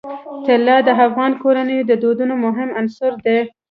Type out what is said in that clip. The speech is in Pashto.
طلا د افغان کورنیو د دودونو مهم عنصر دی.